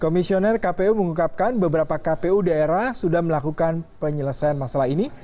komisioner kpu mengungkapkan beberapa kpu daerah sudah melakukan penyelesaian masalah ini